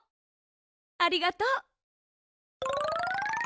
ありがとう。